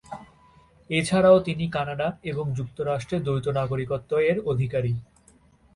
এছাড়াও তিনি কানাডা এবং যুক্তরাষ্ট্রের দ্বৈত নাগরিকত্ব-এর অধিকারী।